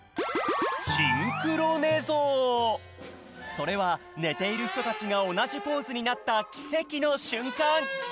それはねているひとたちがおなじポーズになったきせきのしゅんかん！